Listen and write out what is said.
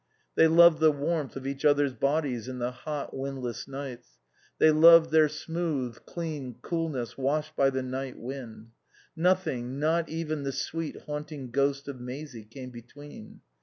They loved the warmth of each other's bodies in the hot windless nights; they loved their smooth, clean coolness washed by the night wind. Nothing, not even the sweet, haunting ghost of Maisie, came between.